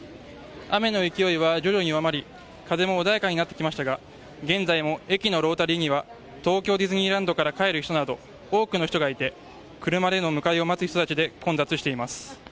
雨の勢いは徐々に弱まり風も穏やかになってきましたが現在も駅のロータリーには東京ディズニーランドから帰る人など多くの人がいて車での迎えを待つ人たちで混雑しています。